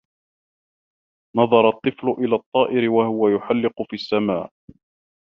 نَظَرَ الطِّفْلُ إِلَى الطَّائِرِ وَهُوَ يُحَلِّقُ فِي السَّمَاءِ.